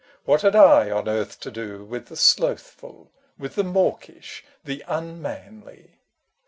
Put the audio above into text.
What had I on earth to do With the slothful, with the mawkish, the unmanly